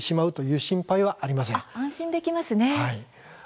安心できますね。